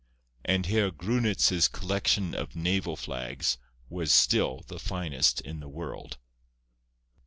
And Herr Grunitz's collection of naval flags was still the finest in the world.